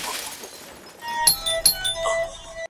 دا اوسنۍ ډبره د هغې په پرتله په میلیونونو کیلومتره لیرې ده.